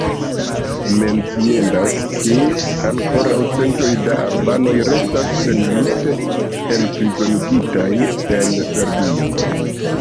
Menciendas ke ankoraŭ centoj da albanoj restas senjuste enprizonigitaj en Serbio.